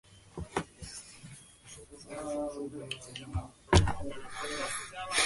这些黔军后来参加了同支持袁世凯的北军的战争。